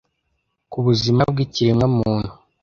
ku buzima bw’ikiremwa muntu,